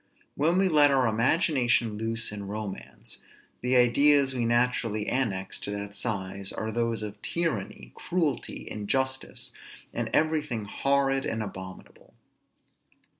When we let our imagination loose in romance, the ideas we naturally annex to that size are those of tyranny, cruelty, injustice, and everything horrid and abominable.